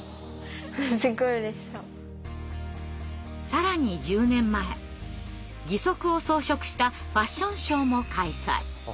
更に１０年前義足を装飾したファッションショーも開催。